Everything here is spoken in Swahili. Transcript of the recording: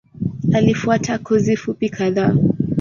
Alifuata kozi fupi kadhaa.